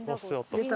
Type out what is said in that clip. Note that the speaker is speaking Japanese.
出た。